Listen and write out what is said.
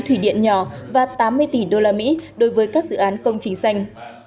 thủy điện nhỏ và tám mươi tỷ usd đối với các dự án công trình xanh